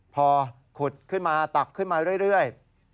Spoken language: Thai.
พอขุดขึ้นมาตักขึ้นมาเรื่อย